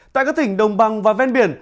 tại các tỉnh đồng băng và ven biển